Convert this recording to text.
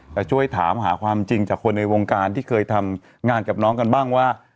แต่ช่วยถามหาความจริงจากคนในวงการที่เคยทำงานกับน้องกันบ้างว่า